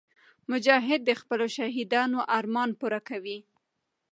مجاهد د خپلو شهیدانو ارمان پوره کوي.